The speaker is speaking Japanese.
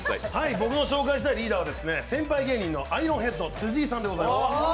僕の紹介したいリーダーは先輩芸人のアイロンヘッド・辻井さんです。